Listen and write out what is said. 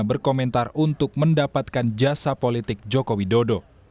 berkomentar untuk mendapatkan jasa politik jokowi dodo